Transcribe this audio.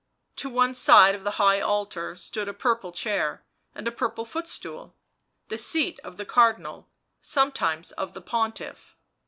To one side of the high altar stood a purple chair, and a purple footstool, the seat of the Cardinal, some times of the Pontiff.